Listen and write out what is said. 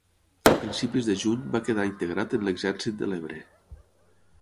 A principis de juny va quedar integrat en l'Exèrcit de l'Ebre.